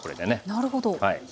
あなるほど。